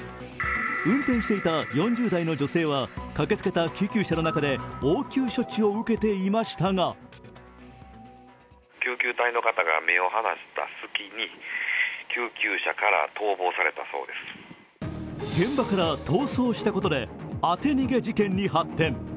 運転していた４０代の女性は駆けつけた救急車の中で応急処置を受けていましたが現場から逃走したことで当て逃げ事件に発展。